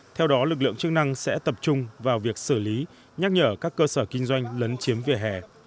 theo đó lực lượng chức năng sẽ tập trung vào việc xử lý nhắc nhở các cơ sở kinh doanh lấn chiếm vỉa hè